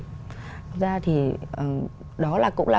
thực ra thì đó là cũng là